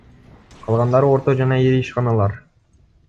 Калгандары — орто жана ири ишканалар.